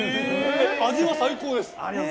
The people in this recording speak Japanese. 味は最高です。